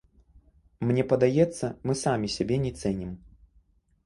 Мне падаецца, мы самі сябе не цэнім.